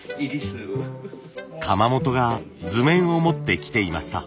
窯元が図面を持ってきていました。